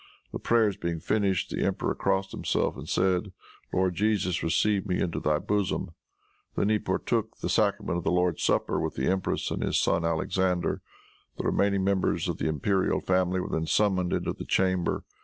The prayers being finished, the emperor crossed himself and said, "Lord Jesus, receive me into thy bosom." He then partook of the sacrament of the Lord's Supper with the empress and his son Alexander. The remaining members of the imperial family were then summoned into the chamber.